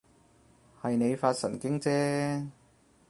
係你發神經啫